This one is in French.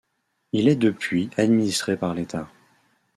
Il est depuis administré par l'État.